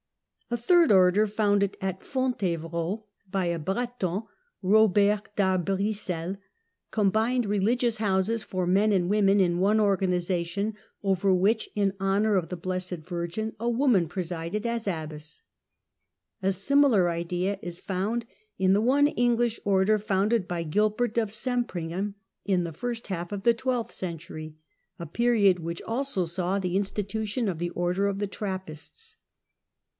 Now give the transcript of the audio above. A third Order, founded at Fontevrault by a Breton, Eobert d'Arbrissel, combined religious houses for men and women in one organization, over which, in honour of the Blessed Virgin, a woman presided, as abbess. A similar idea is found in the one English Order, founded by Grilbert of Sempringham in the first half of the twelfth century, a period which also saw the institution of the Order of the Trappists.